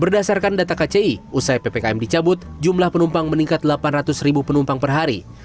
berdasarkan data kci usai ppkm dicabut jumlah penumpang meningkat delapan ratus ribu penumpang per hari